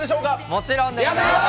もちろんです。